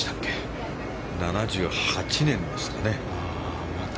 ７８年ですね。